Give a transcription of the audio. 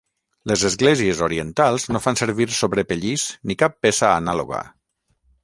Les esglésies orientals no fan servir sobrepellís ni cap peça anàloga.